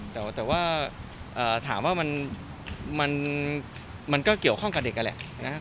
แต่ว่าถามว่ามันก็เกี่ยวข้องกับเด็กนั่นแหละนะครับ